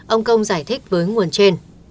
ông công giải thích với nguồn trên